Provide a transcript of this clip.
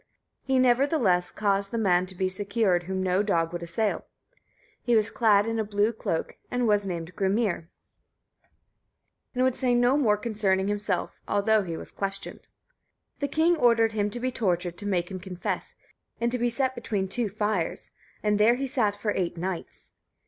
He, nevertheless, caused the man to be secured whom no dog would assail. He was clad in a blue cloak, and was named Grimnir, and would say no more concerning himself, although he was questioned. The king ordered him to be tortured to make him confess, and to be set between two fires; and there he sat for eight nights.